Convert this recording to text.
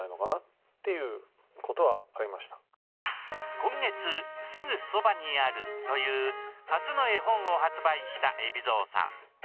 今月、「すぐそばにある」という初の絵本を発売した市川海老蔵さん。